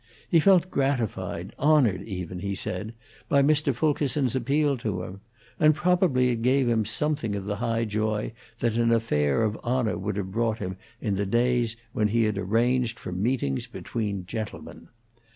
He felt gratified, honored, even, he said, by Mr. Fulkerson's appeal to him; and probably it gave him something of the high joy that an affair of honor would have brought him in the days when he had arranged for meetings between gentlemen.